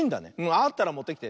あったらもってきて。